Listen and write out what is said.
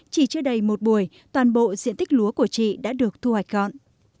chỉ chưa đầy một buổi toàn bộ diện tích lúa của chị đã được thu hoạch gọn